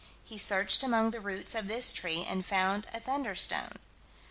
He searched among the roots of this tree and found a "thunderstone."